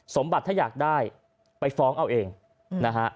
สมบัติถ้าอยากได้ไปฟ้องเอาเองนะฮะ